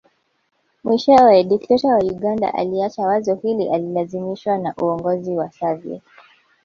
Mwishowe dikteta wa Uganda aliacha wazo hili alilazimishwa na uongozi wa Soviet